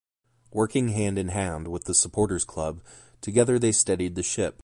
Working hand in hand with the Supporters' Club, together they steadied the ship.